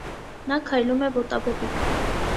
Նա քայլում է ոտաբոբիկ։